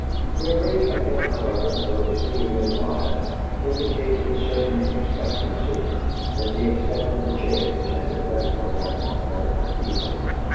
Their greeting of him, however, though exceedingly quiet, indicated a certain expectancy, as he accepted the chair which had been left for him at the head of the table.